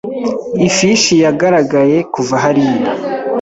Ifishi yagaragaye kuva hariya.